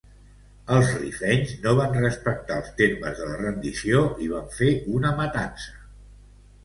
Els rifenys no van respectar els termes de la rendició i van fer una matança.